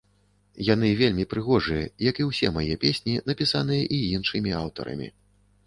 Яны вельмі прыгожыя, як і ўсе мае песні, напісаныя і іншымі аўтарамі.